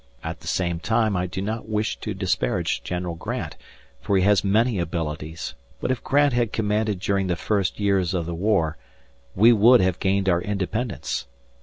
At the same time, I do not wish to disparage General Grant, for he has many abilities, but if Grant had commanded during the first years of the war, we would have gained our independence.